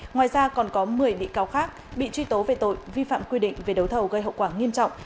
ngoài ra còn có một mươi bị cáo khác bị truy tố về tội vi phạm quy định về đấu thầu gây hậu quả nghiêm trọng